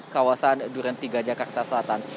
kawasan durantiga jakarta selatan